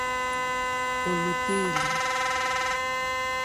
Ò lùtélì.